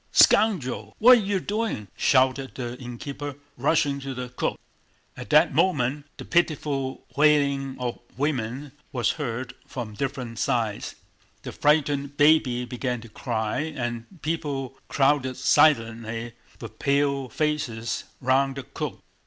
"Scoundrel, what are you doing?" shouted the innkeeper, rushing to the cook. At that moment the pitiful wailing of women was heard from different sides, the frightened baby began to cry, and people crowded silently with pale faces round the cook.